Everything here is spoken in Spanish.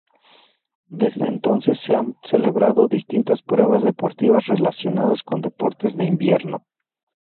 Desde entonces se han celebrado distintas pruebas deportivas relacionadas con deportes de invierno.